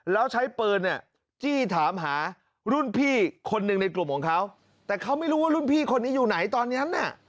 แล้วใช้ปืนเนี่ยจี้ถามหารุ่นพี่คนหนึ่งในกลุ่มของเขาแต่เขาไม่รู้ว่ารุ่นพี่คนนี้อยู่ไหนตอนนั้นน่ะ